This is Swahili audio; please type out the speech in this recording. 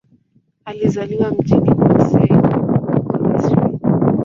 Alizaliwa mjini Port Said, huko Misri.